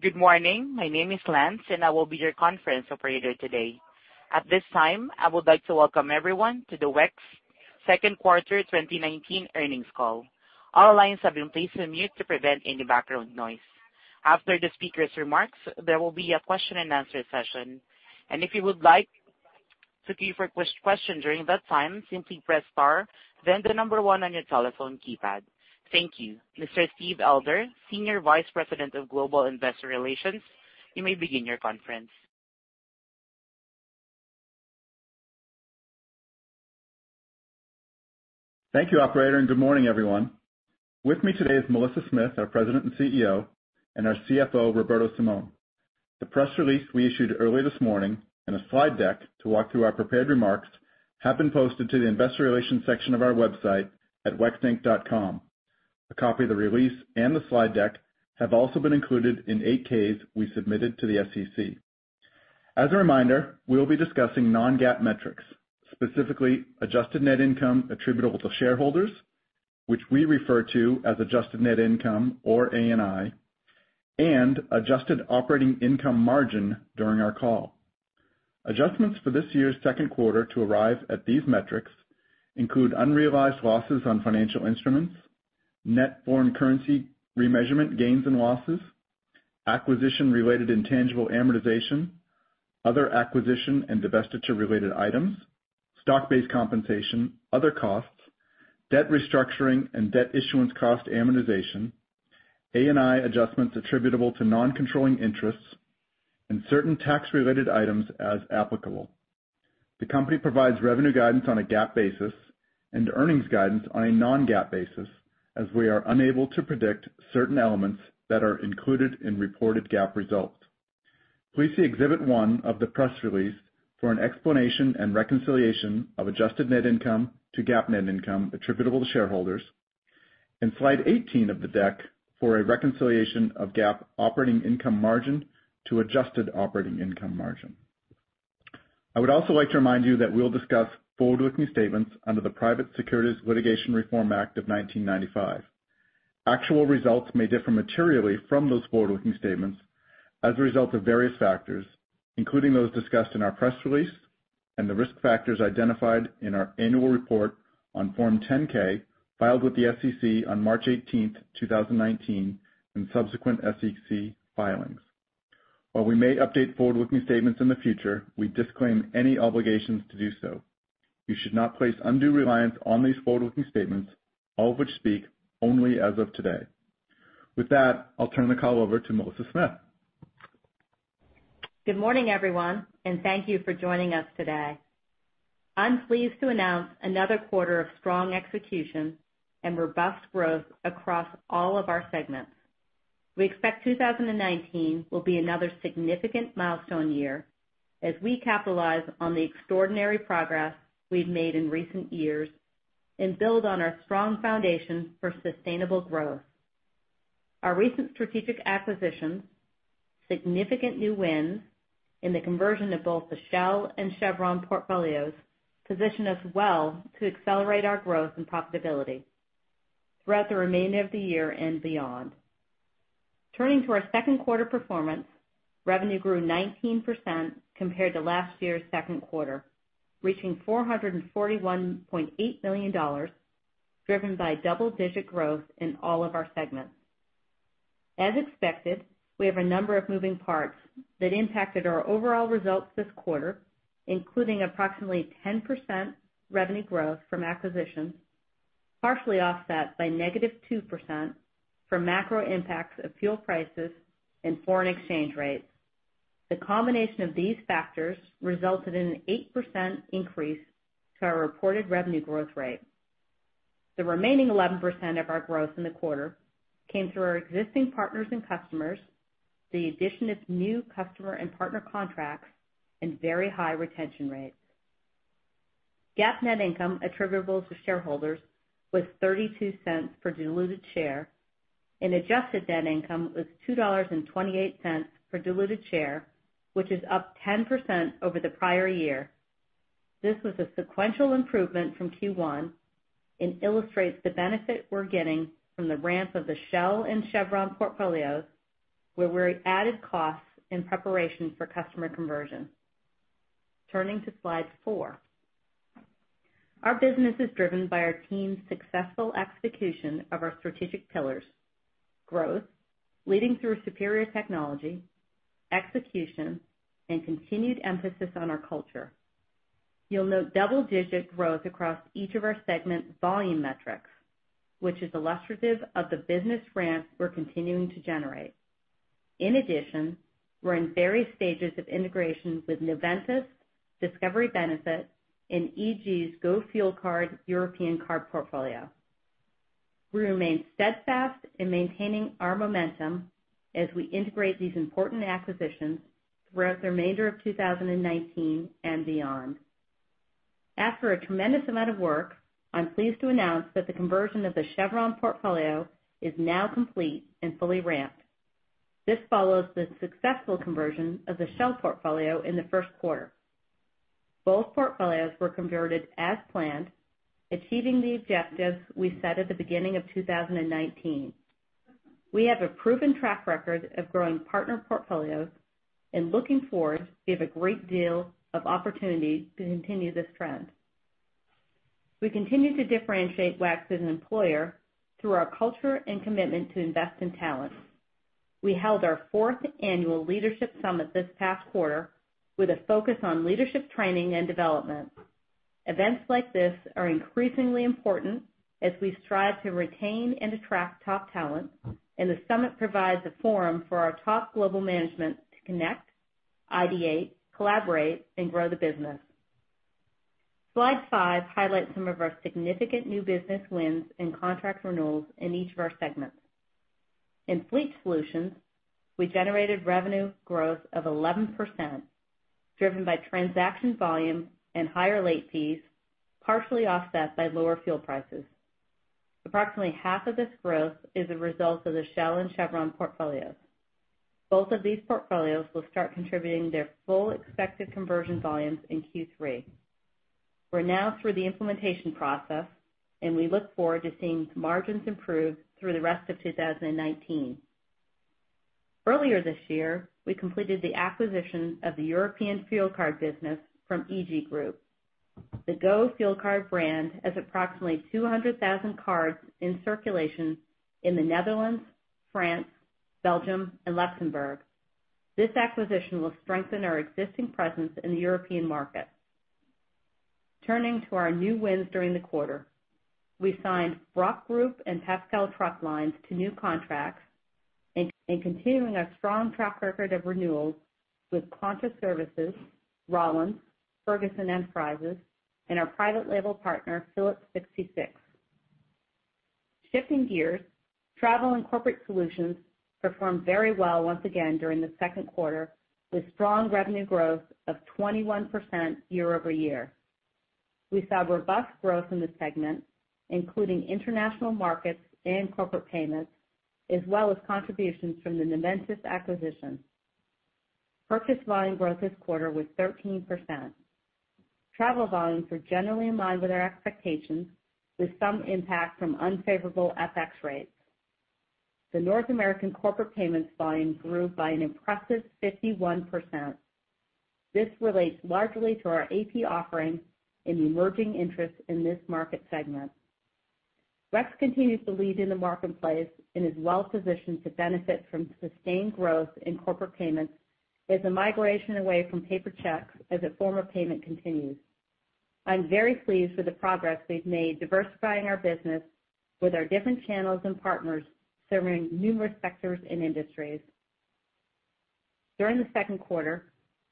Good morning. My name is Lance. I will be your conference operator today. At this time, I would like to welcome everyone to the WEX Second Quarter 2019 earnings call. All lines have been placed on mute to prevent any background noise. After the speaker's remarks, there will be a question and answer session. If you would like to queue for question during that time, simply press star then the number one on your telephone keypad. Thank you. Mr. Steve Elder, Senior Vice President of Global Investor Relations, you may begin your conference. Thank you operator, good morning, everyone. With me today is Melissa Smith, our President and CEO, and our CFO, Roberto Simon. The press release we issued early this morning and a slide deck to walk through our prepared remarks have been posted to the investor relations section of our website at wexinc.com. A copy of the release and the slide deck have also been included in 8-Ks we submitted to the SEC. As a reminder, we'll be discussing non-GAAP metrics, specifically adjusted net income attributable to shareholders, which we refer to as adjusted net income or ANI, and adjusted operating income margin during our call. Adjustments for this year's second quarter to arrive at these metrics include unrealized losses on financial instruments, net foreign currency remeasurement gains and losses, acquisition-related intangible amortization, other acquisition and divestiture-related items, stock-based compensation, other costs, debt restructuring and debt issuance cost amortization, ANI adjustments attributable to non-controlling interests and certain tax-related items as applicable. The company provides revenue guidance on a GAAP basis and earnings guidance on a non-GAAP basis, as we are unable to predict certain elements that are included in reported GAAP results. Please see Exhibit One of the press release for an explanation and reconciliation of adjusted net income to GAAP net income attributable to shareholders, and slide 18 of the deck for a reconciliation of GAAP operating income margin to adjusted operating income margin. I would also like to remind you that we'll discuss forward-looking statements under the Private Securities Litigation Reform Act of 1995. Actual results may differ materially from those forward-looking statements as a result of various factors, including those discussed in our press release and the risk factors identified in our annual report on Form 10-K filed with the SEC on March 18th, 2019 and subsequent SEC filings. While we may update forward-looking statements in the future, we disclaim any obligations to do so. You should not place undue reliance on these forward-looking statements, all of which speak only as of today. With that, I'll turn the call over to Melissa Smith. Good morning, everyone. Thank you for joining us today. I'm pleased to announce another quarter of strong execution and robust growth across all of our segments. We expect 2019 will be another significant milestone year as we capitalize on the extraordinary progress we've made in recent years and build on our strong foundation for sustainable growth. Our recent strategic acquisitions, significant new wins in the conversion of both the Shell and Chevron portfolios position us well to accelerate our growth and profitability throughout the remainder of the year and beyond. Turning to our second quarter performance, revenue grew 19% compared to last year's second quarter, reaching $441.8 million, driven by double-digit growth in all of our segments. As expected, we have a number of moving parts that impacted our overall results this quarter, including approximately 10% revenue growth from acquisitions, partially offset by negative 2% from macro impacts of fuel prices and foreign exchange rates. The combination of these factors resulted in an 8% increase to our reported revenue growth rate. The remaining 11% of our growth in the quarter came through our existing partners and customers, the addition of new customer and partner contracts and very high retention rates. GAAP net income attributable to shareholders was $0.32 per diluted share and Adjusted Net Income was $2.28 per diluted share, which is up 10% over the prior year. This was a sequential improvement from Q1 and illustrates the benefit we're getting from the ramp of the Shell and Chevron portfolios, where we added costs in preparation for customer conversion. Turning to slide four. Our business is driven by our team's successful execution of our strategic pillars growth, leading through superior technology, execution, and continued emphasis on our culture. You'll note double-digit growth across each of our segment volume metrics, which is illustrative of the business ramp we're continuing to generate. In addition, we're in various stages of integration with Noventis, Discovery Benefits, and EG's Go Fuel Card European card portfolio. We remain steadfast in maintaining our momentum as we integrate these important acquisitions throughout the remainder of 2019 and beyond. After a tremendous amount of work, I'm pleased to announce that the conversion of the Chevron portfolio is now complete and fully ramped. This follows the successful conversion of the Shell portfolio in the first quarter. Both portfolios were converted as planned, achieving the objectives we set at the beginning of 2019. We have a proven track record of growing partner portfolios and looking forward, we have a great deal of opportunity to continue this trend. We continue to differentiate WEX as an employer through our culture and commitment to invest in talent. We held our fourth annual leadership summit this past quarter with a focus on leadership training and development. Events like this are increasingly important as we strive to retain and attract top talent, and the summit provides a forum for our top global management to connect, ideate, collaborate, and grow the business. Slide five highlights some of our significant new business wins and contract renewals in each of our segments. In Fleet Solutions, we generated revenue growth of 11%, driven by transaction volume and higher late fees, partially offset by lower fuel prices. Approximately half of this growth is a result of the Shell and Chevron portfolios. Both of these portfolios will start contributing their full expected conversion volumes in Q3. We are now through the implementation process, and we look forward to seeing margins improve through the rest of 2019. Earlier this year, we completed the acquisition of the European fuel card business from EG Group. The GO Fuel Card brand has approximately 200,000 cards in circulation in the Netherlands, France, Belgium, and Luxembourg. This acquisition will strengthen our existing presence in the European market. Turning to our new wins during the quarter. We signed The Brock Group and Paschall Truck Lines to new contracts and continuing our strong track record of renewals with Quanta Services, Rollins, Ferguson Enterprises, and our private label partner, Phillips 66. Shifting gears, Travel and Corporate Solutions performed very well once again during the second quarter with strong revenue growth of 21% year-over-year. We saw robust growth in the segment, including international markets and corporate payments, as well as contributions from the Noventis acquisition. Purchase volume growth this quarter was 13%. Travel volumes were generally in line with our expectations with some impact from unfavorable FX rates. The North American corporate payments volume grew by an impressive 51%. This relates largely to our AP offering and the emerging interest in this market segment. WEX continues to lead in the marketplace and is well-positioned to benefit from sustained growth in corporate payments as the migration away from paper checks as a form of payment continues. I'm very pleased with the progress we've made diversifying our business with our different channels and partners serving numerous sectors and industries. During the second quarter,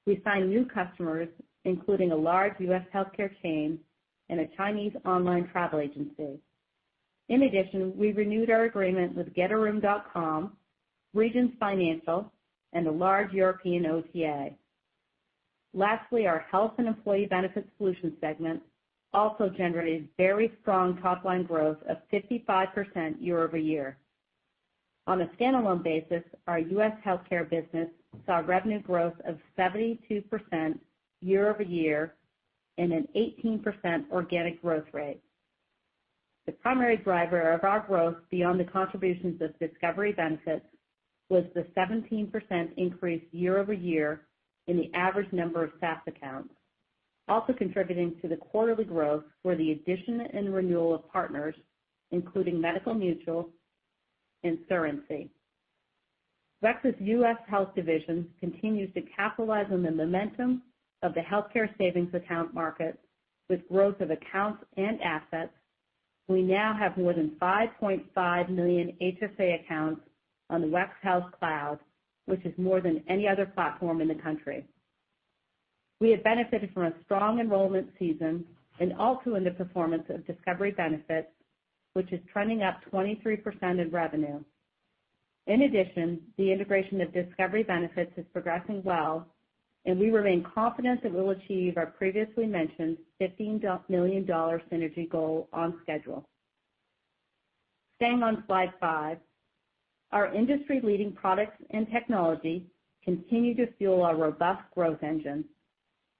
we signed new customers, including a large U.S. healthcare chain and a Chinese online travel agency. In addition, we renewed our agreement with getaroom.com, Regions Financial, and a large European OTA. Lastly, our Health and Employee Benefit Solutions segment also generated very strong top-line growth of 55% year-over-year. On a standalone basis, our U.S. healthcare business saw revenue growth of 72% year-over-year and an 18% organic growth rate. The primary driver of our growth beyond the contributions of Discovery Benefits was the 17% increase year-over-year in the average number of SaaS accounts. Also contributing to the quarterly growth were the addition and renewal of partners, including Medical Mutual and Surancy. WEX's U.S. health division continues to capitalize on the momentum of the healthcare savings account market with growth of accounts and assets. We now have more than 5.5 million HSA accounts on the WEX Health Cloud, which is more than any other platform in the country. We have benefited from a strong enrollment season and also in the performance of Discovery Benefits, which is trending up 23% in revenue. In addition, the integration of Discovery Benefits is progressing well, and we remain confident that we'll achieve our previously mentioned $15 million synergy goal on schedule. Staying on slide five, our industry-leading products and technology continue to fuel our robust growth engine.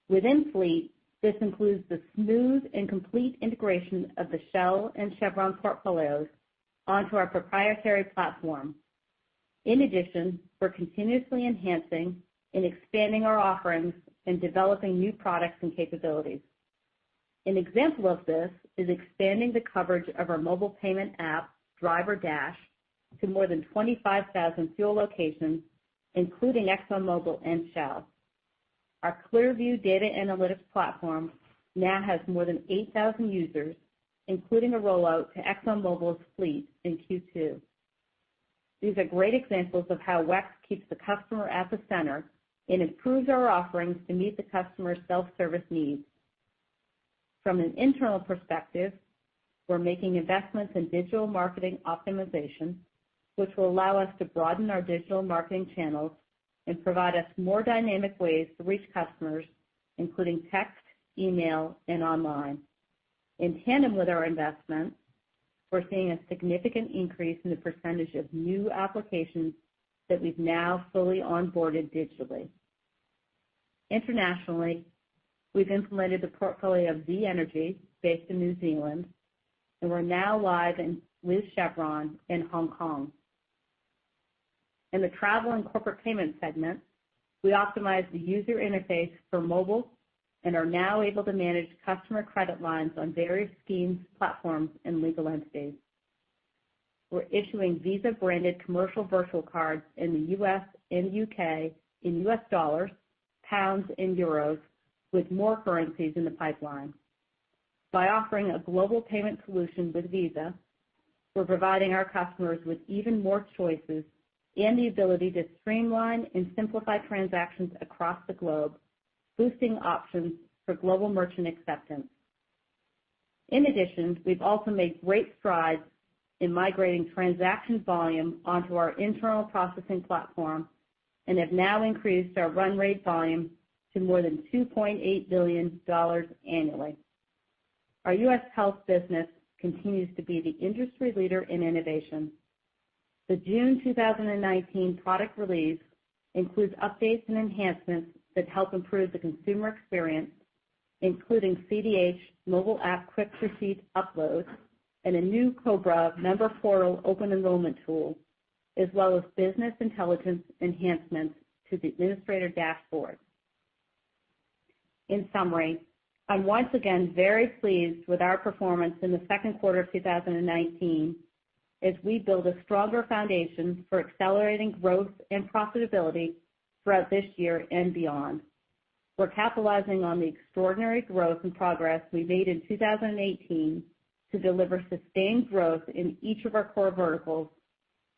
Within Fleet, this includes the smooth and complete integration of the Shell and Chevron portfolios onto our proprietary platform. In addition, we're continuously enhancing and expanding our offerings and developing new products and capabilities. An example of this is expanding the coverage of our mobile payment app, DriverDash, to more than 25,000 fuel locations, including ExxonMobil and Shell. Our ClearView data analytics platform now has more than 8,000 users, including a rollout to ExxonMobil's fleet in Q2. These are great examples of how WEX keeps the customer at the center and improves our offerings to meet the customer's self-service needs. From an internal perspective, we're making investments in digital marketing optimization, which will allow us to broaden our digital marketing channels and provide us more dynamic ways to reach customers, including text, email, and online. In tandem with our investments, we're seeing a significant increase in the percentage of new applications that we've now fully onboarded digitally. Internationally, we've implemented the portfolio of Z Energy, based in New Zealand, and we're now live with Chevron in Hong Kong. In the travel and corporate payment segment, we optimized the user interface for mobile and are now able to manage customer credit lines on various schemes, platforms, and legal entities. We're issuing Visa-branded commercial virtual cards in the U.S. and U.K. in $U.S. dollars, pounds, and euros, with more currencies in the pipeline. By offering a global payment solution with Visa, we're providing our customers with even more choices and the ability to streamline and simplify transactions across the globe, boosting options for global merchant acceptance. In addition, we've also made great strides in migrating transaction volume onto our internal processing platform and have now increased our run rate volume to more than $2.8 billion annually. Our U.S. health business continues to be the industry leader in innovation. The June 2019 product release includes updates and enhancements that help improve the consumer experience, including CDH mobile app quick receipt uploads and a new COBRA member portal open enrollment tool, as well as business intelligence enhancements to the administrator dashboard. In summary, I'm once again very pleased with our performance in the second quarter of 2019 as we build a stronger foundation for accelerating growth and profitability throughout this year and beyond. We're capitalizing on the extraordinary growth and progress we made in 2018 to deliver sustained growth in each of our core verticals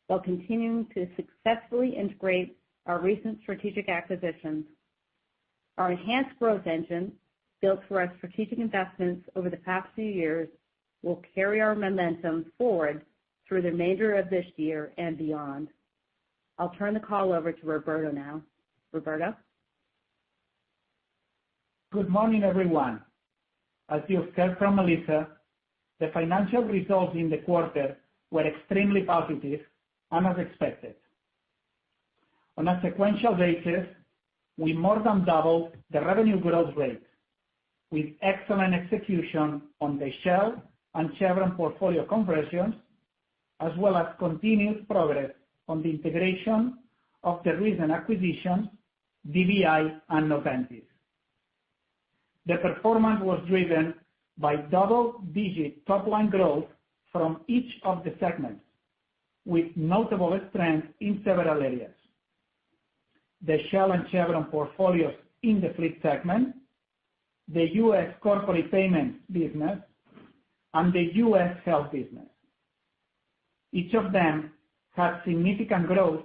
while continuing to successfully integrate our recent strategic acquisitions. Our enhanced growth engine, built through our strategic investments over the past few years, will carry our momentum forward through the remainder of this year and beyond. I'll turn the call over to Roberto now. Roberto? Good morning, everyone. As you heard from Melissa, the financial results in the quarter were extremely positive and as expected. On a sequential basis, we more than doubled the revenue growth rate with excellent execution on the Shell and Chevron portfolio conversions, as well as continued progress on the integration of the recent acquisitions, DBI and Noventis. The performance was driven by double-digit top-line growth from each of the segments, with notable strength in several areas. The Shell and Chevron portfolios in the Fleet segment, the U.S. Corporate Payment business, and the U.S. Health business. Each of them had significant growth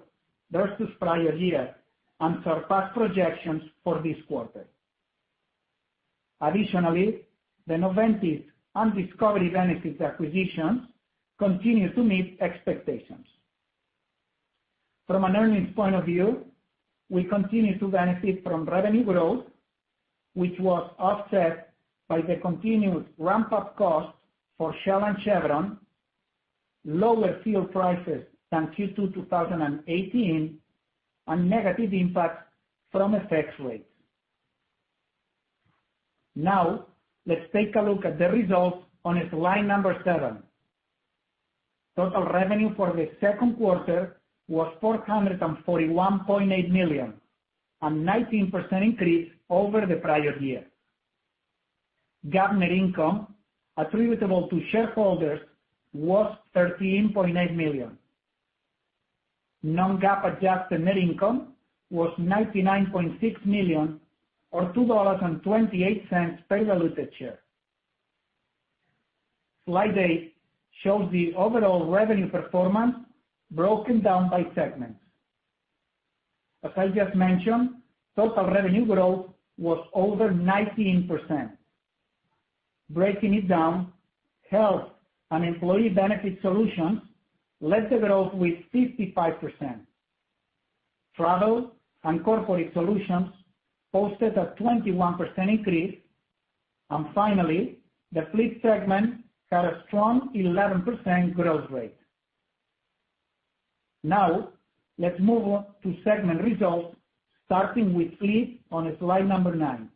versus prior year and surpassed projections for this quarter. Additionally, the Noventis and Discovery Benefits acquisitions continue to meet expectations. From an earnings point of view, we continue to benefit from revenue growth, which was offset by the continued ramp-up costs for Shell and Chevron, lower fuel prices than Q2 2018, and negative impact from FX rates. Let's take a look at the results on slide number seven. Total revenue for the second quarter was $441.8 million, a 19% increase over the prior year. GAAP net income attributable to shareholders was $13.8 million. Non-GAAP adjusted net income was $99.6 million or $2.28 per diluted share. Slide eight shows the overall revenue performance broken down by segments. As I just mentioned, total revenue growth was over 19%. Breaking it down, Health and Employee Benefit Solutions led the growth with 55%. Travel and Corporate Solutions posted a 21% increase. Finally, the Fleet segment had a strong 11% growth rate. Now, let's move on to segment results, starting with Fleet on slide number nine.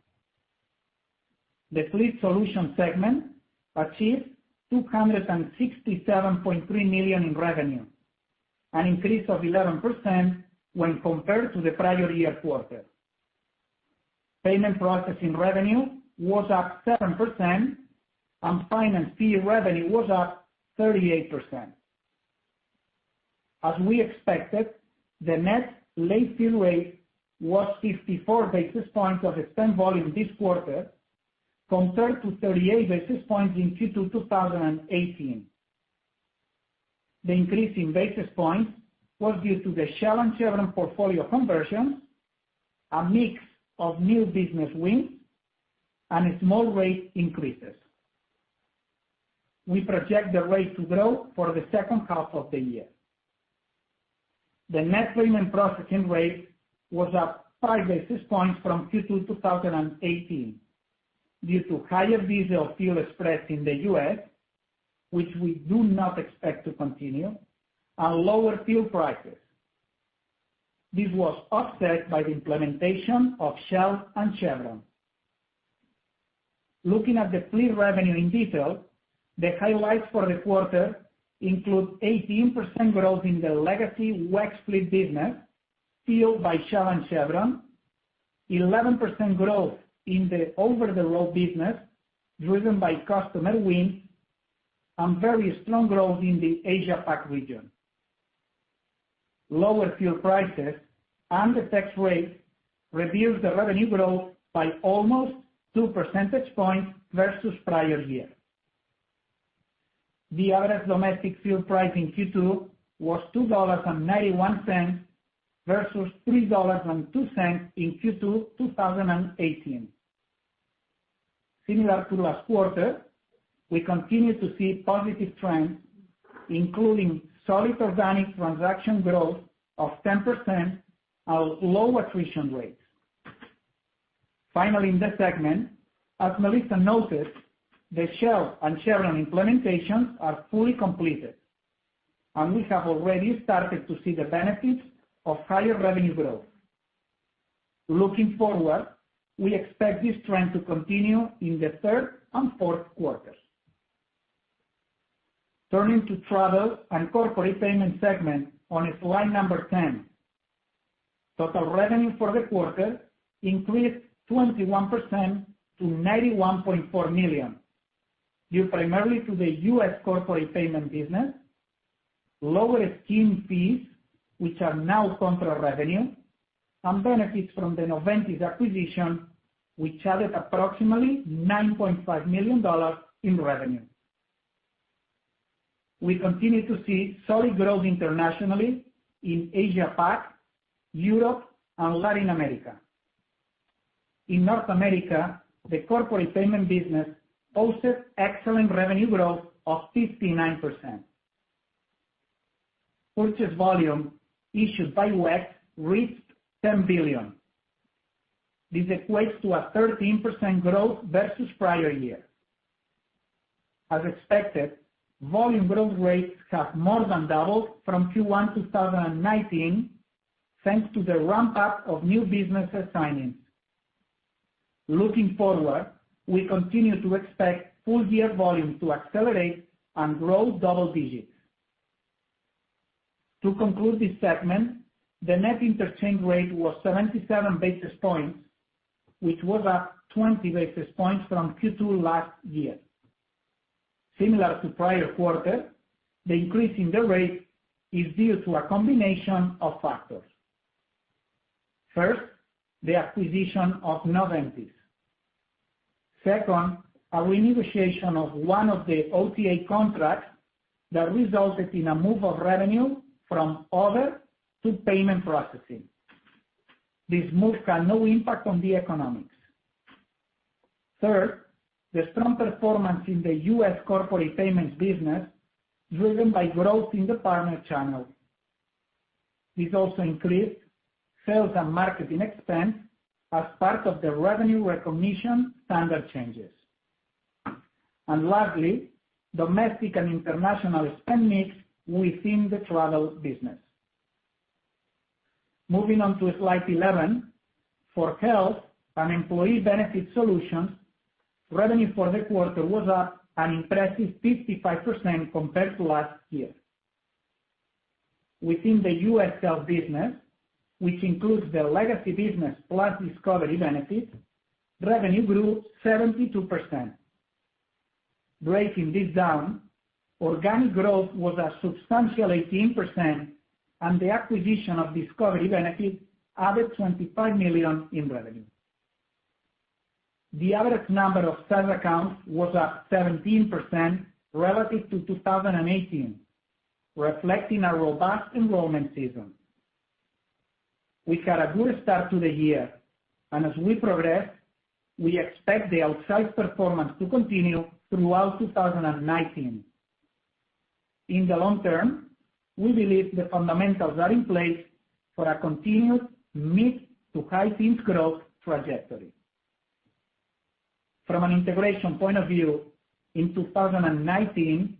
The Fleet Solutions segment achieved $267.3 million in revenue, an increase of 11% when compared to the prior year quarter. Payment processing revenue was up 7%, and finance fee revenue was up 38%. As we expected, the net late fee rate was 54 basis points of the spend volume this quarter, compared to 38 basis points in Q2 2018. The increase in basis points was due to the Shell and Chevron portfolio conversion, a mix of new business wins, and small rate increases. We project the rate to grow for the second half of the year. The net payment processing rate was up five basis points from Q2 2018 due to higher diesel fuel spread in the U.S., which we do not expect to continue, and lower fuel prices. This was offset by the implementation of Shell and Chevron. Looking at the fleet revenue in detail, the highlights for the quarter include 18% growth in the legacy WEX fleet business, fueled by Shell and Chevron, 11% growth in the over-the-road business driven by customer wins, and very strong growth in the Asia Pac region. Lower fuel prices and the tax rate reduced the revenue growth by almost two percentage points versus prior year. The average domestic fuel price in Q2 was $2.91 versus $3.02 in Q2 2018. Similar to last quarter, we continue to see positive trends, including solid organic transaction growth of 10% and low attrition rates. Finally, in this segment, as Melissa noted, the Shell and Chevron implementations are fully completed, and we have already started to see the benefits of higher revenue growth. Looking forward, we expect this trend to continue in the third and fourth quarters. Turning to travel and corporate payments segment on slide number 10. Total revenue for the quarter increased 21% to $91.4 million, due primarily to the U.S. corporate payment business, lower scheme fees, which are now contra revenue, and benefits from the Noventis acquisition, which added approximately $9.5 million in revenue. We continue to see solid growth internationally in Asia Pac, Europe, and Latin America. In North America, the corporate payment business posted excellent revenue growth of 59%. Purchase volume issued by WEX reached $10 billion. This equates to a 13% growth versus prior year. As expected, volume growth rates have more than doubled from Q1 2019, thanks to the ramp-up of new business assignments. Looking forward, we continue to expect full-year volume to accelerate and grow double digits. To conclude this segment, the net interchange rate was 77 basis points, which was up 20 basis points from Q2 last year. Similar to prior quarter, the increase in the rate is due to a combination of factors. First, the acquisition of Noventis. Second, a renegotiation of one of the OTA contracts that resulted in a move of revenue from other to payment processing. This move had no impact on the economics. Third, the strong performance in the U.S. corporate payments business, driven by growth in the partner channel. This also increased sales and marketing expense as part of the Revenue Recognition standard changes. Lastly, domestic and international spend mix within the travel business. Moving on to slide 11. For Health and Employee Benefit Solutions, revenue for the quarter was up an impressive 55% compared to last year. Within the U.S. health business, which includes the legacy business plus Discovery Benefits, revenue grew 72%. Breaking this down, organic growth was a substantial 18%, and the acquisition of Discovery Benefits added $25 million in revenue. The average number of SaaS accounts was up 17% relative to 2018, reflecting a robust enrollment season. We've had a good start to the year, and as we progress, we expect the outsized performance to continue throughout 2019. In the long term, we believe the fundamentals are in place for a continued mid to high-teens growth trajectory. From an integration point of view, in 2019,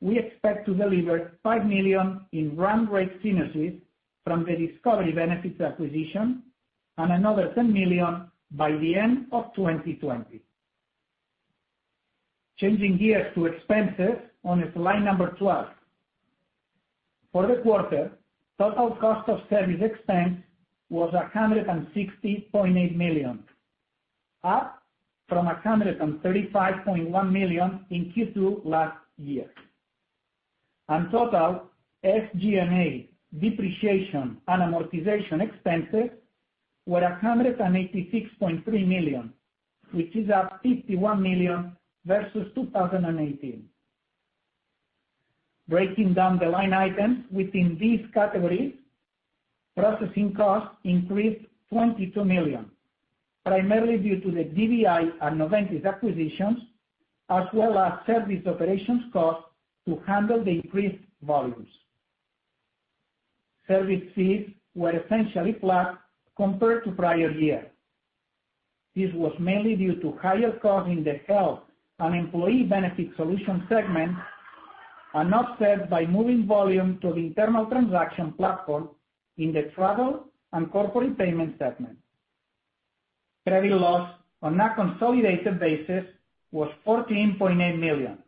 we expect to deliver $5 million in run rate synergies from the Discovery Benefits acquisition and another $10 million by the end of 2020. Changing gears to expenses on slide number 12. For the quarter, total cost of service expense was $160.8 million, up from $135.1 million in Q2 last year. Total SG&A depreciation and amortization expenses were $186.3 million, which is up $51 million versus 2018. Breaking down the line items within these categories, processing costs increased $22 million, primarily due to the DBI and Noventis acquisitions, as well as service operations costs to handle the increased volumes. Service fees were essentially flat compared to prior year. This was mainly due to higher costs in the Health and Employee Benefit Solutions segment, and offset by moving volume to the internal transaction platform in the Travel and Corporate Solutions segment. Credit loss on a consolidated basis was $14.8 million.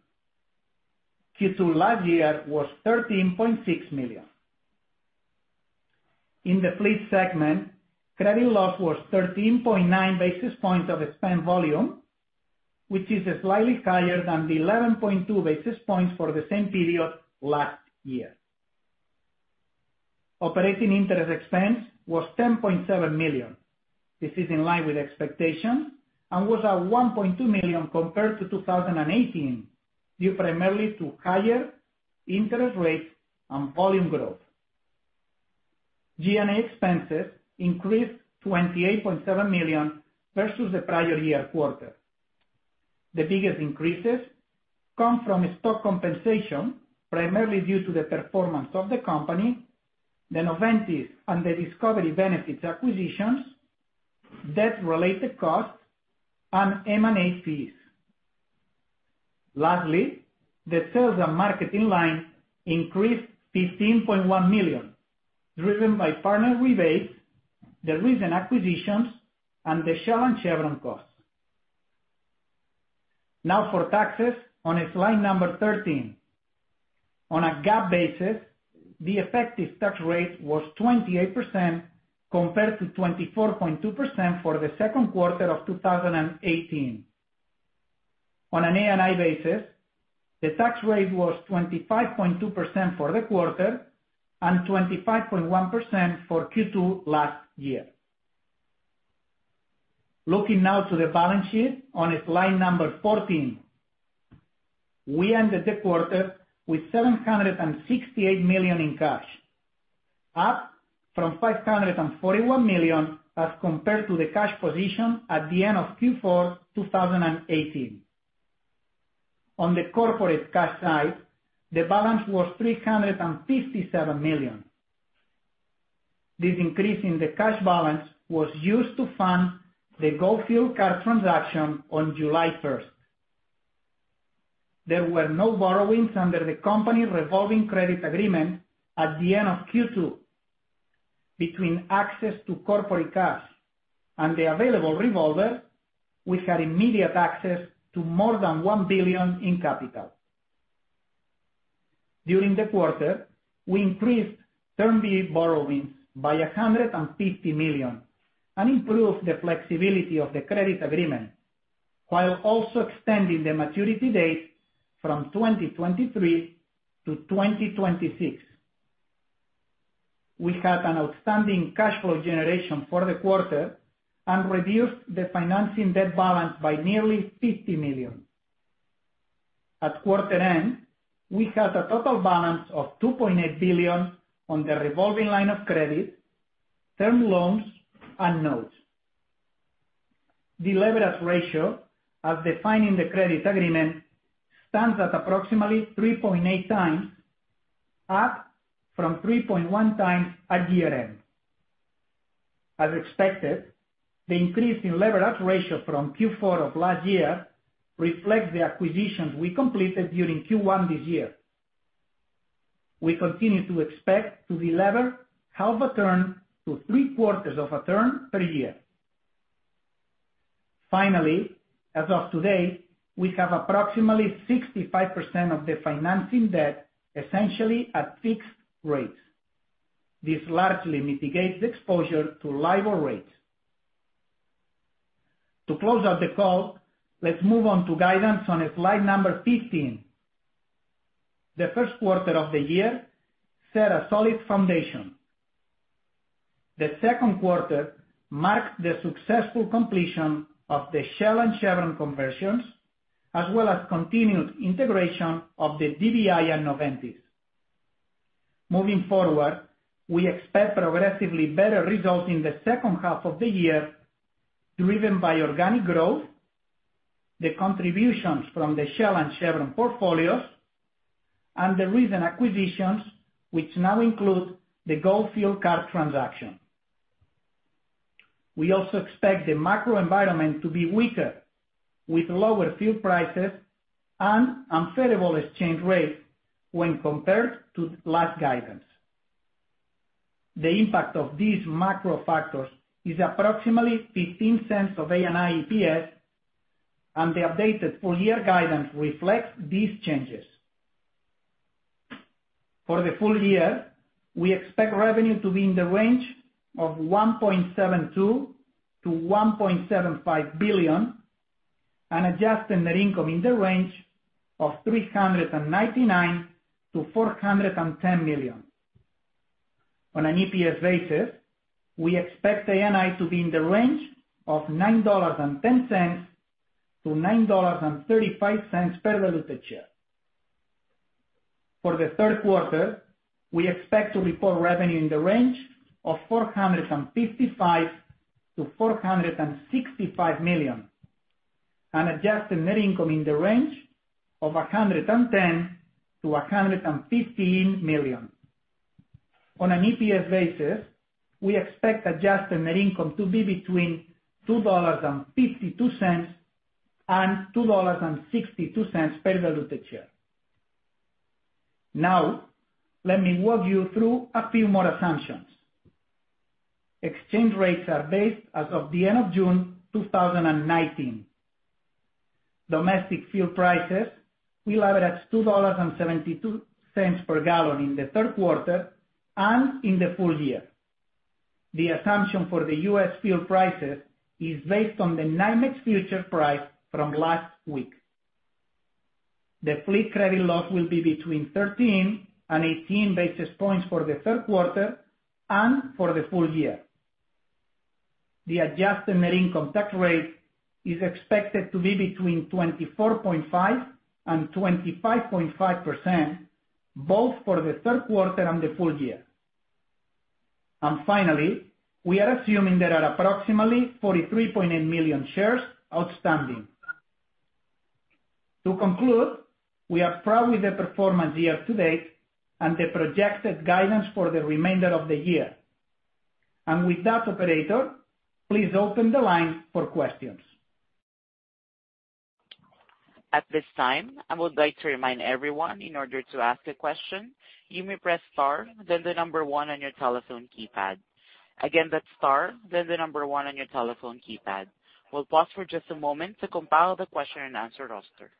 Q2 last year was $13.6 million. In the fleet segment, credit loss was 13.9 basis points of the spend volume, which is slightly higher than the 11.2 basis points for the same period last year. Operating interest expense was $10.7 million. This is in line with expectation and was at $1.2 million compared to 2018, due primarily to higher interest rates and volume growth. G&A expenses increased $28.7 million versus the prior year quarter. The biggest increases come from stock compensation, primarily due to the performance of the company, the Noventis and the Discovery Benefits acquisitions, debt-related costs, and M&A fees. The sales and marketing line increased $15.1 million, driven by partner rebates, the recent acquisitions, and the Shell and Chevron costs. Now for taxes on slide number 13. On a GAAP basis, the effective tax rate was 28% compared to 24.2% for the second quarter of 2018. On an ANI basis, the tax rate was 25.2% for the quarter and 25.1% for Q2 last year. Looking now to the balance sheet on slide number 14. We ended the quarter with $768 million in cash, up from $541 million as compared to the cash position at the end of Q4 2018. On the corporate cash side, the balance was $357 million. This increase in the cash balance was used to fund the Go Fuel Card transaction on July 1st. There were no borrowings under the company revolving credit agreement at the end of Q2. Between access to corporate cash and the available revolver, we had immediate access to more than $1 billion in capital. During the quarter, we increased term borrowings by $150 million and improved the flexibility of the credit agreement, while also extending the maturity date from 2023 to 2026. We had an outstanding cash flow generation for the quarter and reduced the financing debt balance by $50 million. At quarter end, we had a total balance of $2.8 billion on the revolving line of credit, term loans and notes. The leverage ratio, as defined in the credit agreement, stands at approximately 3.8 times, up from 3.1 times at year-end. As expected, the increase in leverage ratio from Q4 of last year reflects the acquisitions we completed during Q1 this year. We continue to expect to delever half a turn to three-quarters of a turn per year. Finally, as of today, we have approximately 65% of the financing debt essentially at fixed rates. This largely mitigates the exposure to LIBOR rates. To close out the call, let's move on to guidance on slide number 15. The first quarter of the year set a solid foundation. The second quarter marked the successful completion of the Shell and Chevron conversions, as well as continued integration of the DBI and Noventis. Moving forward, we expect progressively better results in the second half of the year, driven by organic growth, the contributions from the Shell and Chevron portfolios, and the recent acquisitions, which now include the Go Fuel Card transaction. We also expect the macro environment to be weaker, with lower fuel prices and unfavorable exchange rates when compared to last guidance. The impact of these macro factors is approximately $0.15 of ANI EPS, and the updated full-year guidance reflects these changes. For the full year, we expect revenue to be in the range of $1.72 billion-$1.75 billion, and adjusted net income in the range of $399 million-$410 million. On an EPS basis, we expect ANI to be in the range of $9.10-$9.35 per diluted share. For the third quarter, we expect to report revenue in the range of $455 million-$465 million. An adjusted net income in the range of $110 million-$115 million. On an EPS basis, we expect adjusted net income to be between $2.52 and $2.62 per diluted share. Let me walk you through a few more assumptions. Exchange rates are based as of the end of June 2019. Domestic fuel prices will average $2.72 per gallon in the third quarter and in the full year. The assumption for the U.S. fuel prices is based on the NYMEX future price from last week. The fleet credit loss will be between 13 and 18 basis points for the third quarter and for the full year. The adjusted net income tax rate is expected to be between 24.5% and 25.5%, both for the third quarter and the full year. Finally, we are assuming there are approximately 43.8 million shares outstanding. To conclude, we are proud with the performance year to date and the projected guidance for the remainder of the year. With that, operator, please open the line for questions. At this time, I would like to remind everyone, in order to ask a question, you may press star, then the number one on your telephone keypad. Again, that's star, then the number one on your telephone keypad. We'll pause for just a moment to compile the question-and-answer roster.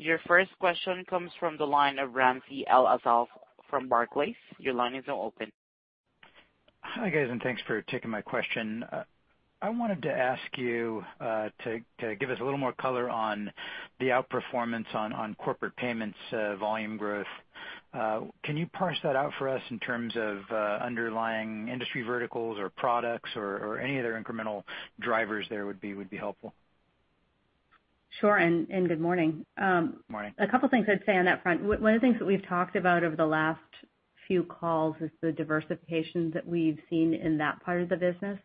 Your first question comes from the line of Ramsey El-Assal from Barclays. Your line is now open. Hi, guys, and thanks for taking my question. I wanted to ask you to give us a little more color on the outperformance on corporate payments volume growth. Can you parse that out for us in terms of underlying industry verticals or products or any other incremental drivers there would be helpful? Sure, and good morning. Morning. A couple things I'd say on that front. One of the things that we've talked about over the last few calls is the diversification that we've seen in that part of the business.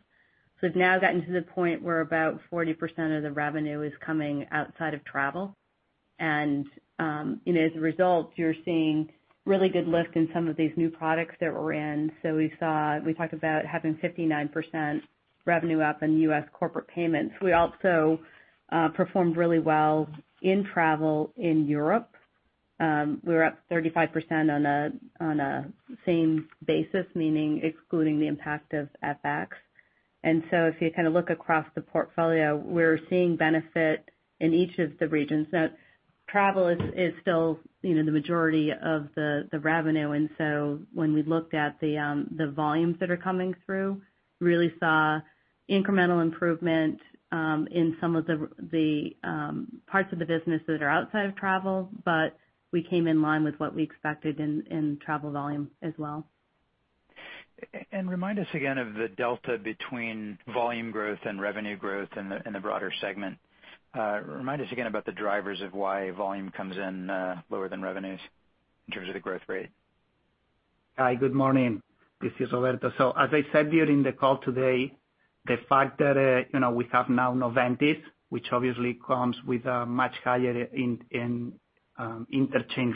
We've now gotten to the point where about 40% of the revenue is coming outside of travel. As a result, you're seeing really good lift in some of these new products that we're in. We talked about having 59% revenue up in U.S. corporate payments. We also performed really well in travel in Europe. We were up 35% on a same basis, meaning excluding the impact of FX. If you look across the portfolio, we're seeing benefit in each of the regions. Travel is still the majority of the revenue. When we looked at the volumes that are coming through, really saw incremental improvement in some of the parts of the business that are outside of travel. We came in line with what we expected in travel volume as well. Remind us again of the delta between volume growth and revenue growth in the broader segment. Remind us again about the drivers of why volume comes in lower than revenues in terms of the growth rate. Hi, good morning. This is Roberto. As I said during the call today, the fact that we have now Noventis, which obviously comes with a much higher interchange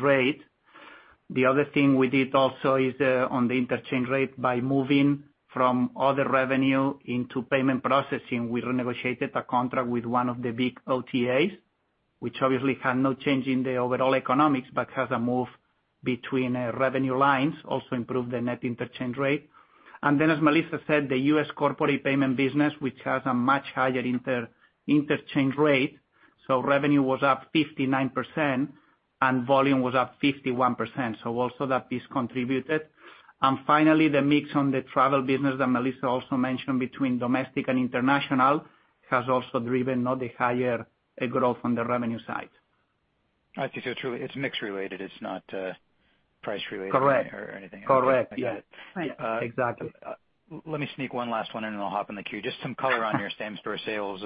rate. The other thing we did also is on the interchange rate by moving from other revenue into payment processing. We renegotiated a contract with one of the big OTAs, which obviously had no change in the overall economics, but has a move between revenue lines, also improved the net interchange rate. Then, as Melissa said, the U.S. corporate payment business, which has a much higher interchange rate. Revenue was up 59% and volume was up 51%. Also that piece contributed. Finally, the mix on the travel business that Melissa also mentioned between domestic and international has also driven the higher growth on the revenue side. I see. Truly it's mix related. It's not price related. Correct or anything like that. Correct. Right. Exactly. Let me sneak one last one in and I'll hop in the queue. Just some color on your same-store sales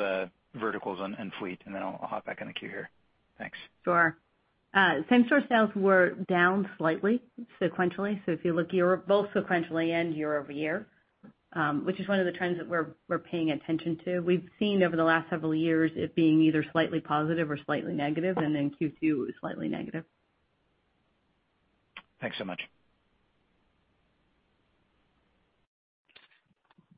verticals and fleet, and then I'll hop back in the queue here. Thanks. Sure. Same-store sales were down slightly sequentially. If you look both sequentially and year-over-year, which is one of the trends that we're paying attention to. We've seen over the last several years it being either slightly positive or slightly negative, and then Q2 it was slightly negative. Thanks so much.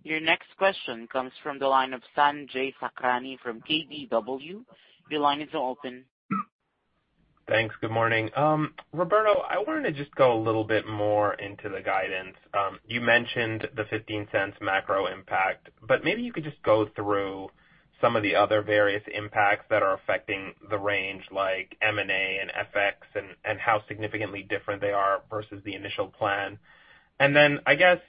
Your next question comes from the line of Sanjay Sakhrani from KBW. Your line is now open. Thanks. Good morning. Roberto, I wanted to just go a little bit more into the guidance. You mentioned the $0.15 macro impact, but maybe you could just go through some of the other various impacts that are affecting the range, like M&A and FX and how significantly different they are versus the initial plan. I guess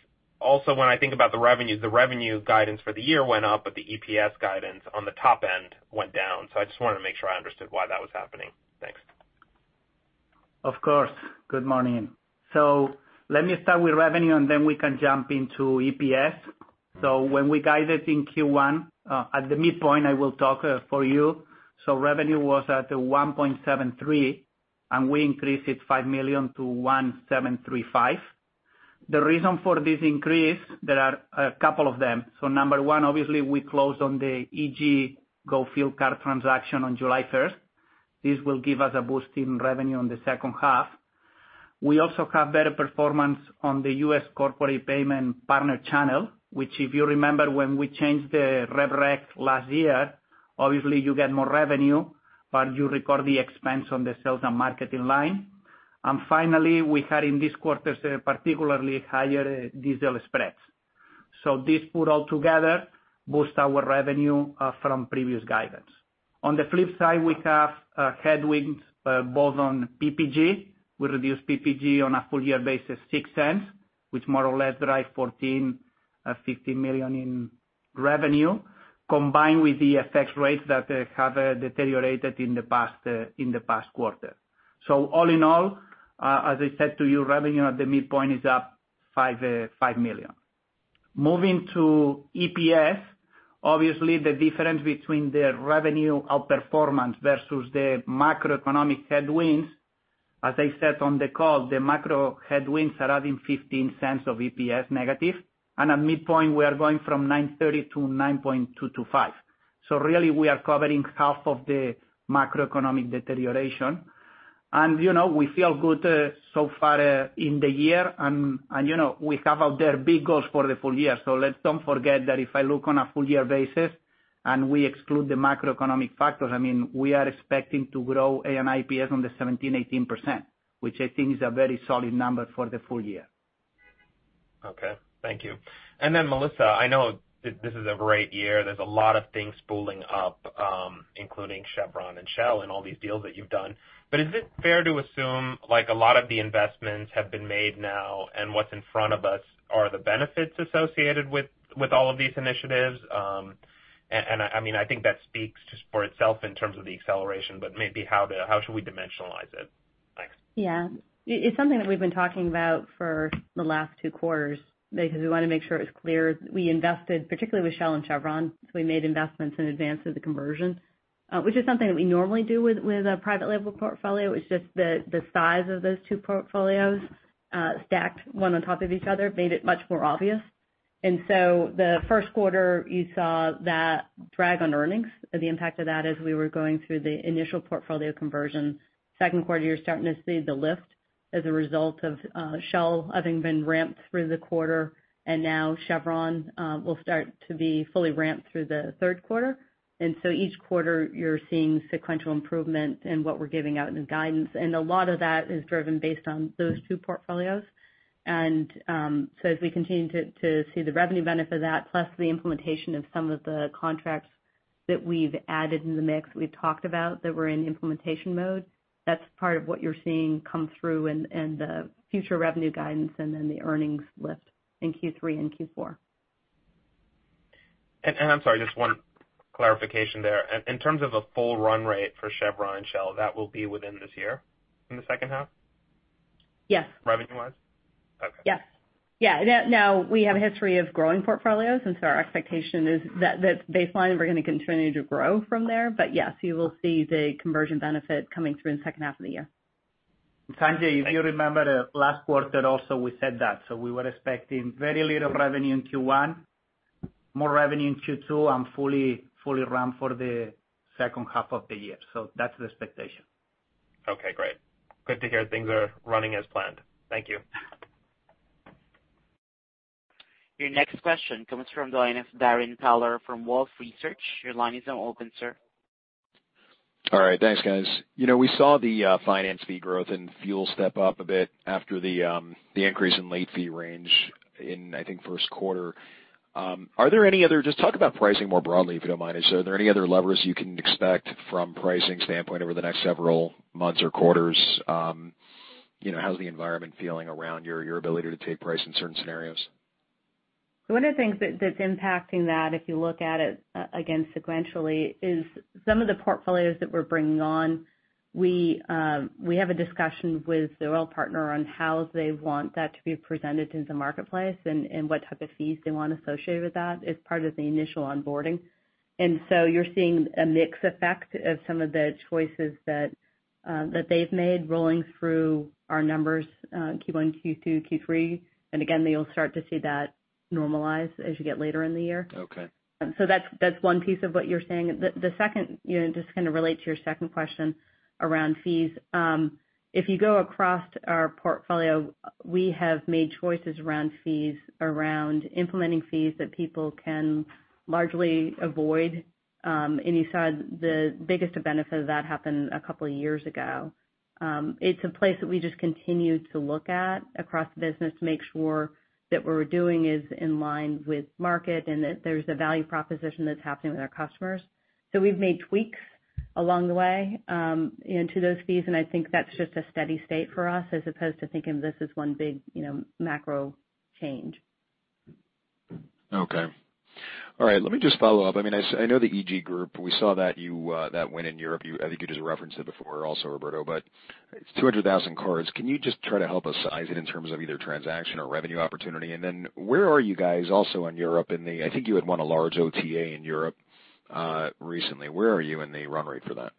also when I think about the revenues, the revenue guidance for the year went up, but the EPS guidance on the top end went down. I just wanted to make sure I understood why that was happening. Thanks. Of course. Good morning. Let me start with revenue, and then we can jump into EPS. When we guided in Q1, at the midpoint, I will talk for you. Revenue was at $1.73 billion, and we increased it $5 million to $1.735 billion. The reason for this increase, there are a couple of them. Number 1, obviously we closed on the EG Group Go Fuel Card transaction on July 1st. This will give us a boost in revenue on the second half. We also have better performance on the U.S. corporate payment partner channel, which if you remember when we changed the rev rec last year, obviously you get more revenue, but you record the expense on the sales and marketing line. Finally, we had in this quarter's particularly higher diesel spreads. This put all together boost our revenue from previous guidance. On the flip side, we have headwinds both on PPG. We reduced PPG on a full year basis $0.06, which more or less drive $14 million-$15 million in revenue, combined with the FX rates that have deteriorated in the past quarter. All in all, as I said to you, revenue at the midpoint is up $5 million. Moving to EPS, obviously the difference between the revenue outperformance versus the macroeconomic headwinds, as I said on the call, the macro headwinds are adding $0.15 of EPS negative. At midpoint, we are going from $9.30 to $9.225. Really, we are covering half of the macroeconomic deterioration. We feel good so far in the year. We have out there big goals for the full year. Let's don't forget that if I look on a full year basis and we exclude the macroeconomic factors, we are expecting to grow ANIPS on the 17%-18%, which I think is a very solid number for the full year. Okay. Thank you. Melissa, I know this is a great year. There's a lot of things spooling up, including Chevron and Shell and all these deals that you've done. Is it fair to assume a lot of the investments have been made now, and what's in front of us are the benefits associated with all of these initiatives? I think that speaks just for itself in terms of the acceleration, but maybe how should we dimensionalize it? Thanks. Yeah. It's something that we've been talking about for the last two quarters, because we want to make sure it's clear. We invested, particularly with Shell and Chevron, so we made investments in advance of the conversion. Which is something that we normally do with a private label portfolio. It's just the size of those two portfolios, stacked one on top of each other, made it much more obvious. The first quarter you saw that drag on earnings, the impact of that as we were going through the initial portfolio conversion. Second quarter, you're starting to see the lift as a result of Shell having been ramped through the quarter, and now Chevron will start to be fully ramped through the third quarter. Each quarter you're seeing sequential improvement in what we're giving out in the guidance. A lot of that is driven based on those two portfolios. As we continue to see the revenue benefit of that, plus the implementation of some of the contracts that we've added in the mix we've talked about that were in implementation mode, that's part of what you're seeing come through in the future revenue guidance and then the earnings lift in Q3 and Q4. I'm sorry, just one clarification there. In terms of a full run rate for Chevron and Shell, that will be within this year in the second half? Yes. Revenue-wise? Okay. Yes. Now, we have a history of growing portfolios, our expectation is that baseline we're going to continue to grow from there. Yes, you will see the conversion benefit coming through in the second half of the year. Sanjay, if you remember the last quarter also, we said that. We were expecting very little revenue in Q1, more revenue in Q2, and fully ramp for the second half of the year. That's the expectation. Okay, great. Good to hear things are running as planned. Thank you. Your next question comes from the line of Darrin Peller from Wolfe Research. Your line is now open, sir. All right. Thanks, guys. We saw the finance fee growth and fuel step up a bit after the increase in late fee range in, I think, first quarter. Just talk about pricing more broadly, if you don't mind. Are there any other levers you can expect from pricing standpoint over the next several months or quarters? How's the environment feeling around your ability to take price in certain scenarios? One of the things that's impacting that, if you look at it again sequentially, is some of the portfolios that we're bringing on, we have a discussion with the oil partner on how they want that to be presented in the marketplace and what type of fees they want associated with that as part of the initial onboarding. You're seeing a mix effect of some of the choices that they've made rolling through our numbers, Q1, Q2, Q3. Again, you'll start to see that normalize as you get later in the year. Okay. That's one piece of what you're saying. The second, just kind of relate to your second question around fees. If you go across our portfolio, we have made choices around fees, around implementing fees that people can largely avoid. You saw the biggest benefit of that happen a couple of years ago. It's a place that we just continue to look at across the business to make sure that what we're doing is in line with market and that there's a value proposition that's happening with our customers. We've made tweaks along the way into those fees, and I think that's just a steady state for us as opposed to thinking this is one big macro change. Okay. All right. Let me just follow up. I know the EG Group, we saw that win in Europe. I think you just referenced it before also, Roberto, but it's 200,000 cards. Can you just try to help us size it in terms of either transaction or revenue opportunity? Then where are you guys also in Europe? I think you had won a large OTA in Europe recently. Where are you in the run rate for that?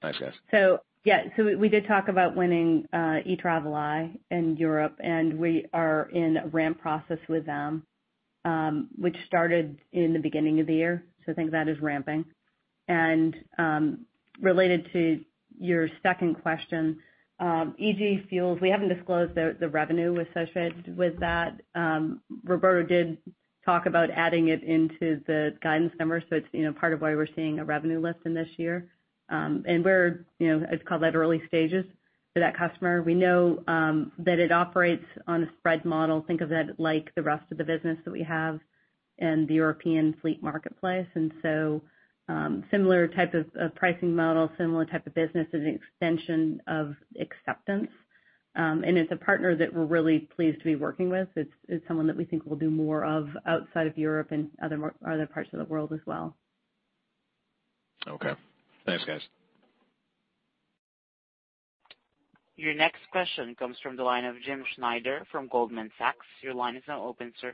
Thanks, guys. Yeah. We did talk about winning Etraveli in Europe, and we are in ramp process with them, which started in the beginning of the year, think that is ramping. Related to your second question, Go Fuel Card, we haven't disclosed the revenue associated with that. Roberto did talk about adding it into the guidance numbers, so it's part of why we're seeing a revenue lift in this year. It's called at early stages for that customer. We know that it operates on a spread model. Think of it like the rest of the business that we have in the European fleet marketplace. Similar type of pricing model, similar type of business. It is an extension of acceptance. It's a partner that we're really pleased to be working with. It's someone that we think we'll do more of outside of Europe and other parts of the world as well. Okay. Thanks, guys. Your next question comes from the line of Jim Schneider from Goldman Sachs. Your line is now open, sir.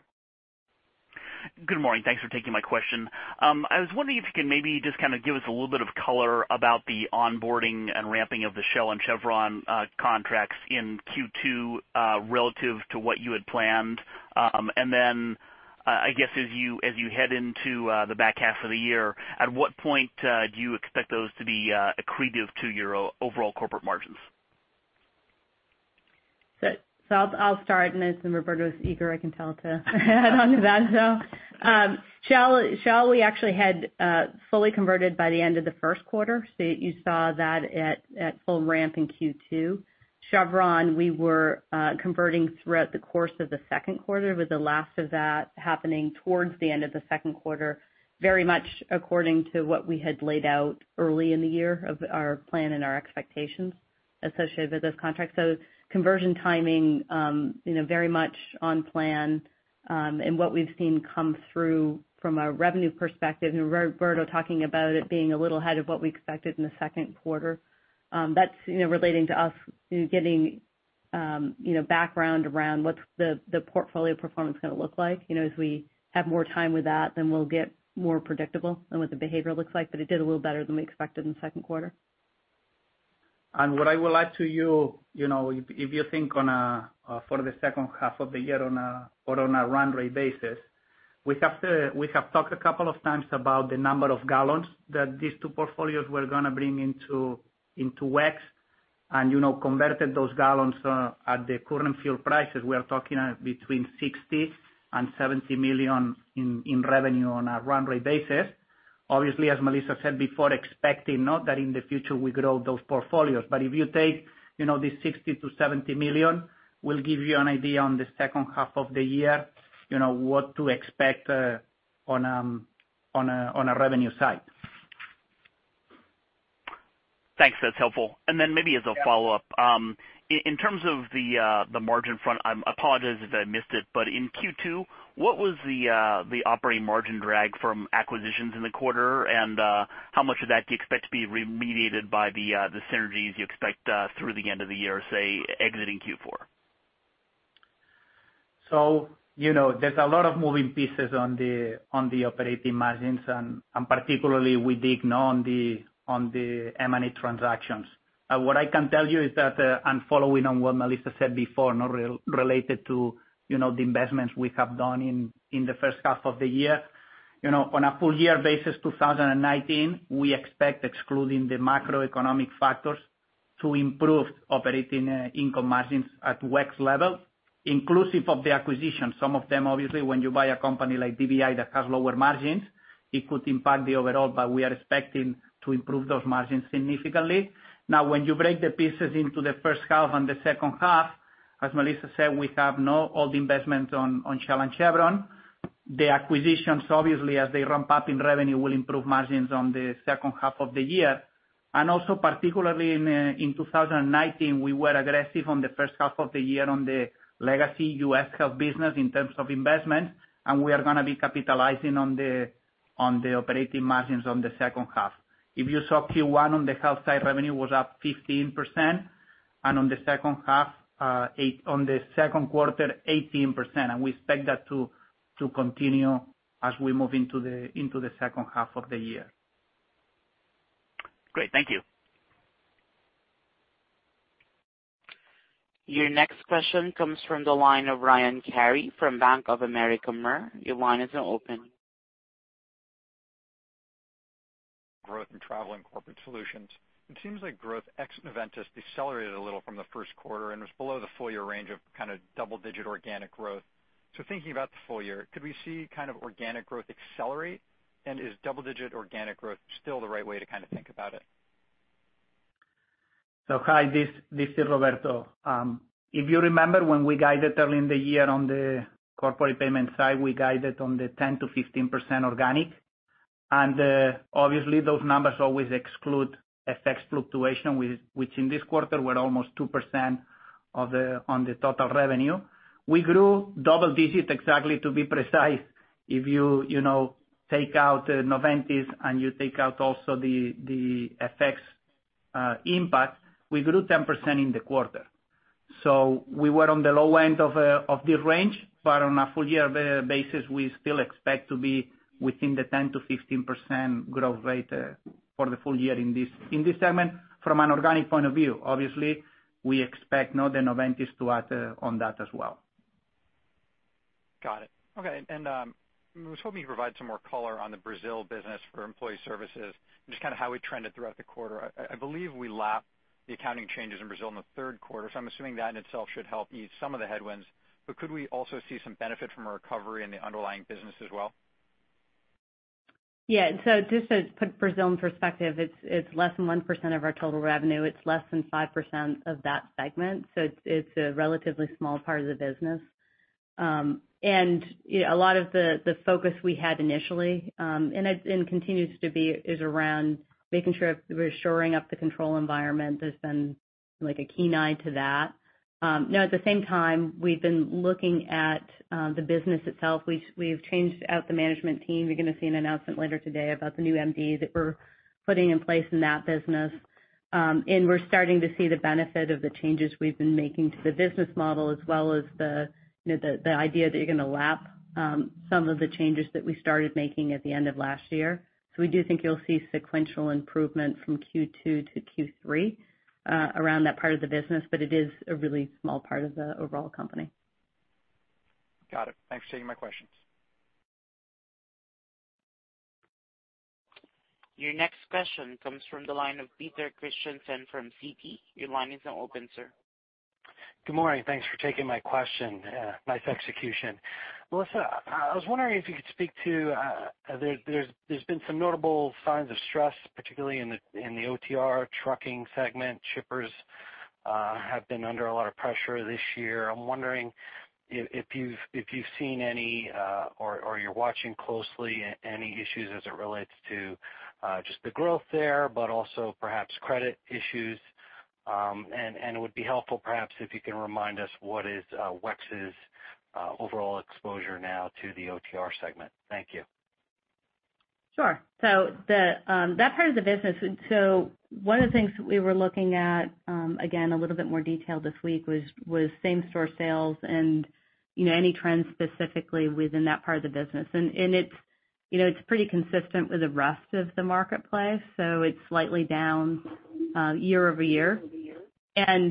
Good morning. Thanks for taking my question. I was wondering if you can maybe just kind of give us a little bit of color about the onboarding and ramping of the Shell and Chevron contracts in Q2 relative to what you had planned. I guess as you head into the back half of the year, at what point do you expect those to be accretive to your overall corporate margins? I'll start, and as Roberto is eager, I can tell to add onto that. Shell, we actually had fully converted by the end of the first quarter. You saw that at full ramp in Q2. Chevron, we were converting throughout the course of the second quarter, with the last of that happening towards the end of the second quarter, very much according to what we had laid out early in the year of our plan and our expectations associated with those contracts. Conversion timing, very much on plan, and what we've seen come through from a revenue perspective, and Roberto talking about it being a little ahead of what we expected in the second quarter. That's relating to us getting background around what's the portfolio performance going to look like. As we have more time with that, then we'll get more predictable on what the behavior looks like. It did a little better than we expected in the second quarter. What I will add to you, if you think for the second half of the year or on a run rate basis, we have talked a couple of times about the number of gallons that these two portfolios we're going to bring into WEX and converted those gallons at the current fuel prices. We are talking between $60 million and $70 million in revenue on a run rate basis. Obviously, as Melissa said before, expecting not that in the future we grow those portfolios. If you take this $60 million-$70 million will give you an idea on the second half of the year what to expect on a revenue side. Thanks. That's helpful. Maybe as a follow-up. Yeah. In terms of the margin front, apologies if I missed it, but in Q2, what was the operating margin drag from acquisitions in the quarter? How much of that do you expect to be remediated by the synergies you expect through the end of the year, say, exiting Q4? There's a lot of moving pieces on the operating margins and particularly with the on the M&A transactions. What I can tell you is that, and following on what Melissa said before, not related to the investments we have done in the first half of the year. On a full year basis, 2019, we expect excluding the macroeconomic factors to improve operating income margins at WEX level inclusive of the acquisition. Some of them, obviously, when you buy a company like DBI that has lower margins, it could impact the overall, but we are expecting to improve those margins significantly. Now, when you break the pieces into the first half and the second half, as Melissa said, we have no old investments on Shell and Chevron. The acquisitions, obviously, as they ramp up in revenue, will improve margins on the second half of the year. Also particularly in 2019, we were aggressive on the first half of the year on the legacy U.S. Health business in terms of investment, and we are going to be capitalizing on the operating margins on the second half. If you saw Q1 on the health side, revenue was up 15%, and on the second quarter, 18%, and we expect that to continue as we move into the second half of the year. Great. Thank you. Your next question comes from the line of Ryan Carey from Bank of America Merrill. Your line is now open. Growth in Travel and Corporate Solutions. It seems like growth ex Noventis decelerated a little from the first quarter and was below the full year range of double-digit organic growth. Thinking about the full year, could we see organic growth accelerate? Is double-digit organic growth still the right way to think about it? Hi, this is Roberto. If you remember when we guided early in the year on the corporate payment side, we guided on the 10%-15% organic. Obviously those numbers always exclude FX fluctuation, which in this quarter were almost 2% on the total revenue. We grew double digits exactly to be precise. If you take out Noventis and you take out also the FX impact, we grew 10% in the quarter. We were on the low end of the range. On a full year basis, we still expect to be within the 10%-15% growth rate for the full year in this segment from an organic point of view. Obviously, we expect now the Noventis to add on that as well. Got it. Okay. I was hoping you'd provide some more color on the Brazil business for employee services and just how we trended throughout the quarter. I believe we lapped the accounting changes in Brazil in the third quarter. I'm assuming that in itself should help ease some of the headwinds. Could we also see some benefit from a recovery in the underlying business as well? Yeah. Just to put Brazil in perspective, it's less than 1% of our total revenue. It's less than 5% of that segment. It's a relatively small part of the business. A lot of the focus we had initially, and continues to be, is around making sure we're shoring up the control environment. There's been like a keen eye to that. At the same time, we've been looking at the business itself. We've changed out the management team. You're going to see an announcement later today about the new MD that we're putting in place in that business. We're starting to see the benefit of the changes we've been making to the business model, as well as the idea that you're going to lap some of the changes that we started making at the end of last year. We do think you'll see sequential improvement from Q2 to Q3 around that part of the business, but it is a really small part of the overall company. Got it. Thanks for taking my questions. Your next question comes from the line of Peter Christiansen from Citi. Your line is now open, sir. Good morning. Thanks for taking my question. Nice execution. Melissa, I was wondering if you could speak to, there's been some notable signs of stress, particularly in the OTR trucking segment. Shippers have been under a lot of pressure this year. I'm wondering if you've seen any or you're watching closely any issues as it relates to just the growth there, but also perhaps credit issues. It would be helpful perhaps if you can remind us what is WEX's overall exposure now to the OTR segment. Thank you. Sure. That part of the business. One of the things that we were looking at again a little bit more detailed this week was same store sales and any trends specifically within that part of the business. It's pretty consistent with the rest of the marketplace, so it's slightly down year-over-year. At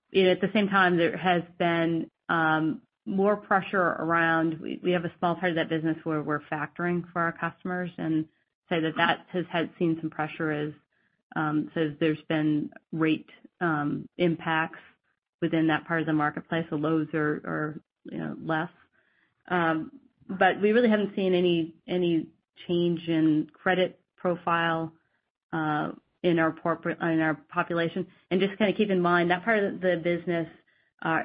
the same time, there has been more pressure around, we have a small part of that business where we're factoring for our customers and say that has seen some pressure as there's been rate impacts within that part of the marketplace. Lows are less. We really haven't seen any change in credit profile in our population. Just keep in mind, that part of the business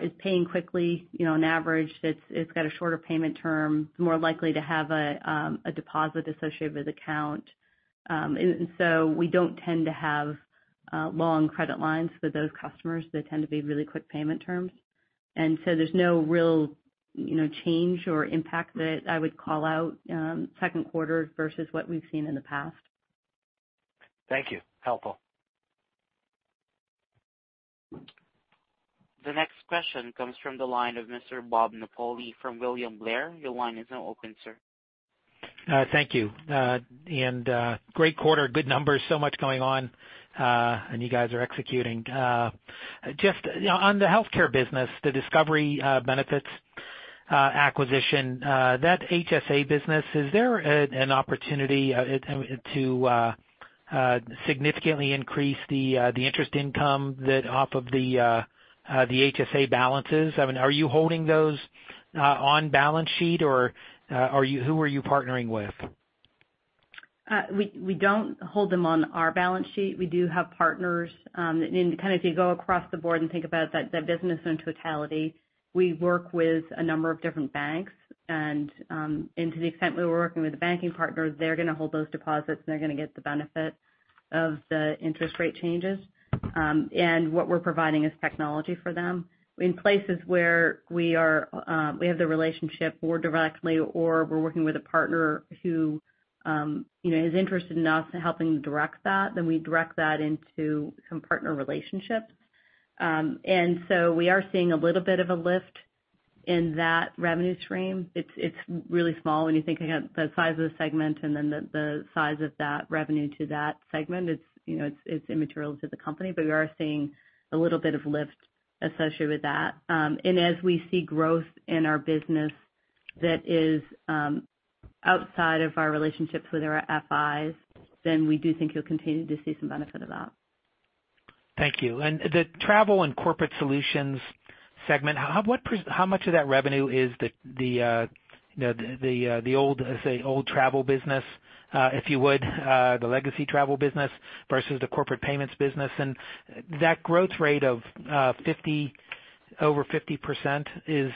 is paying quickly. On average, it's got a shorter payment term, it's more likely to have a deposit associated with the account. We don't tend to have long credit lines with those customers. They tend to be really quick payment terms. There's no real change or impact that I would call out second quarter versus what we've seen in the past. Thank you. Helpful. The next question comes from the line of Mr. Bob Napoli from William Blair. Your line is now open, sir. Thank you. Great quarter. Good numbers. So much going on. You guys are executing. Just on the healthcare business, the Discovery Benefits acquisition, that HSA business, is there an opportunity to significantly increase the interest income off of the HSA balances? I mean, are you holding those on balance sheet, or who are you partnering with? We don't hold them on our balance sheet. We do have partners. If you go across the board and think about the business in totality, we work with a number of different banks. To the extent where we're working with the banking partners, they're going to hold those deposits, and they're going to get the benefit of the interest rate changes. What we're providing is technology for them. In places where we have the relationship more directly or we're working with a partner who is interested in us helping direct that, we direct that into some partner relationships. We are seeing a little bit of a lift in that revenue stream. It's really small when you think about the size of the segment and then the size of that revenue to that segment. It's immaterial to the company. We are seeing a little bit of lift associated with that. As we see growth in our business that is outside of our relationships with our FIs, then we do think you'll continue to see some benefit of that. Thank you. The Travel and Corporate Solutions segment, how much of that revenue is the old travel business if you would, the legacy travel business versus the corporate payments business? That growth rate of over 50% is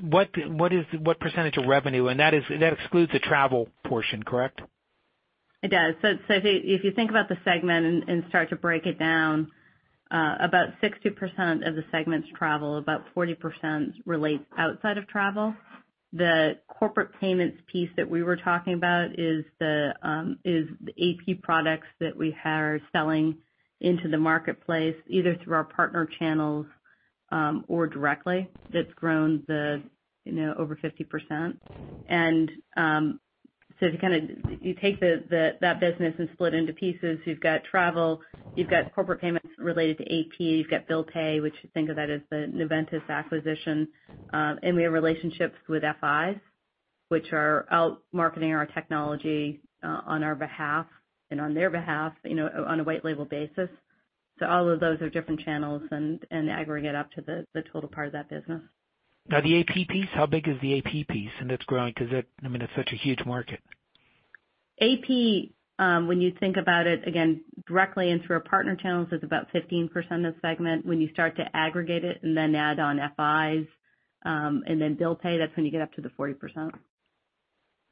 what % of revenue? That excludes the travel portion, correct? It does. If you think about the segment and start to break it down, about 60% of the segment's travel, about 40% relates outside of travel. The corporate payments piece that we were talking about is the AP products that we are selling into the marketplace, either through our partner channels or directly. That's grown over 50%. You take that business and split it into pieces. You've got travel, you've got corporate payments related to AP, you've got bill pay, which think of that as the Noventis acquisition. We have relationships with FIs, which are out marketing our technology on our behalf and on their behalf, on a white label basis. All of those are different channels and aggregate up to the total part of that business. Now, the AP piece, how big is the AP piece? It's growing because it's such a huge market. AP, when you think about it, again, directly and through our partner channels, is about 15% of the segment. When you start to aggregate it and then add on FIs, and then bill pay, that's when you get up to the 40%.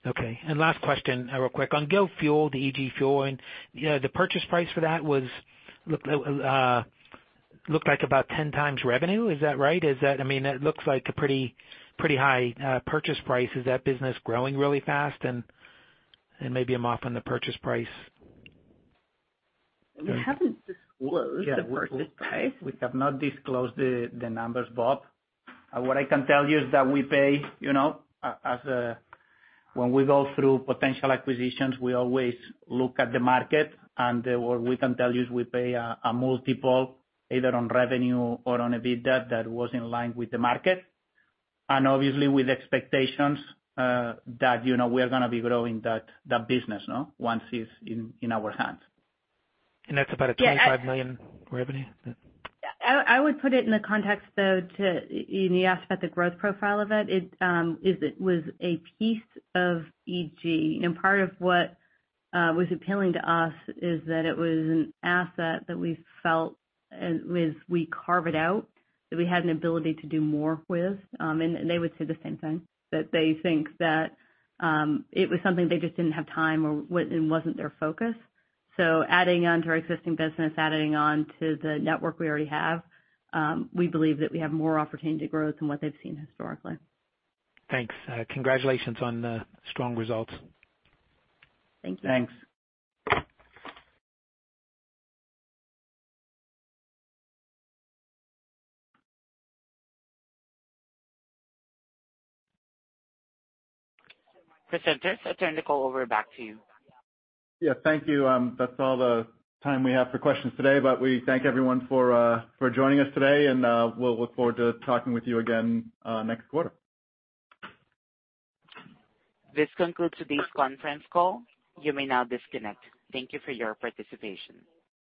Okay. Last question, real quick. On Go Fuel, the EG Fuel, the purchase price for that looked like about 10 times revenue. Is that right? It looks like a pretty high purchase price. Is that business growing really fast? Maybe I'm off on the purchase price. We haven't disclosed the purchase price. We have not disclosed the numbers, Bob. What I can tell you is that when we go through potential acquisitions, we always look at the market. What we can tell you is we pay a multiple either on revenue or on EBITDA that was in line with the market. Obviously with expectations that we are going to be growing that business, once it's in our hands. That's about a $25 million revenue? I would put it in the context, though, you asked about the growth profile of it. It was a piece of EG. Part of what was appealing to us is that it was an asset that we felt as we carve it out, that we had an ability to do more with. They would say the same thing, that they think that it was something they just didn't have time for or it wasn't their focus. Adding on to our existing business, adding on to the network we already have, we believe that we have more opportunity to growth than what they've seen historically. Thanks. Congratulations on the strong results. Thank you. Thanks. Presenters, I turn the call over back to you. Yeah, thank you. That's all the time we have for questions today, but we thank everyone for joining us today, and we'll look forward to talking with you again next quarter. This concludes today's conference call. You may now disconnect. Thank you for your participation.